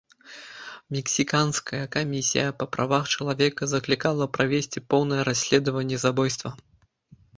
Мексіканская камісія па правах чалавека заклікала правесці поўнае расследаванне забойства.